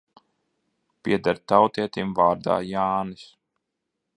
Pieder tautietim vārdā Jānis.